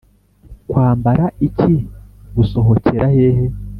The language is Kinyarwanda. kwambara iki ? gusohokera hehe ?